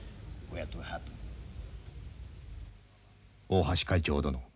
「大橋会長殿。